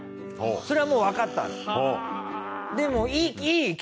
それはもうわかったの。